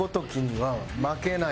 はい。